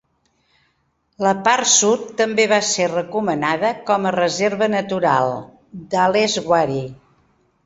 La part sud també va ser recomanada com a reserva natural "Dhaleswari".